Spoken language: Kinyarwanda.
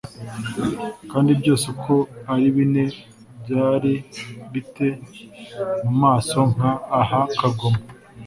kandi byose uko ari bine byari bi te mu maso nk aha kagoma